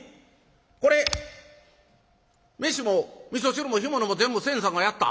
これ飯もみそ汁も干物も全部信さんがやった？